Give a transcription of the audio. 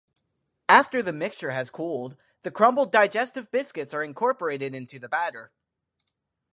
After the mixture has cooled the crumbled digestive biscuits are incorporated into the batter.